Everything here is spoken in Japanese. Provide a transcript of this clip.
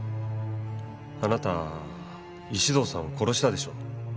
あなた石堂さんを殺したでしょ。